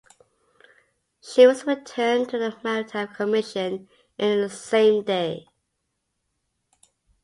She was returned to the Maritime Commission in the same day.